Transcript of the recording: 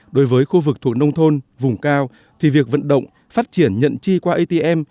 đối với khu vực thuộc nông thôn vùng cao thì việc vận động phát triển nhận chi qua atm